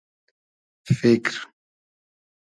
فیکر